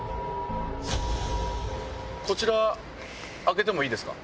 こちら開けてもいいですか？